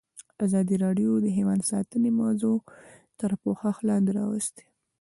ازادي راډیو د حیوان ساتنه موضوع تر پوښښ لاندې راوستې.